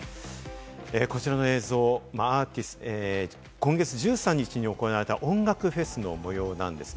こちらの映像、今月１３日に行われた音楽フェスの模様です。